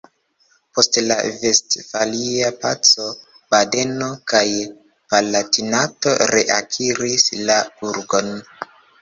Post la Vestfalia Paco Badeno kaj Palatinato reakiris la burgon.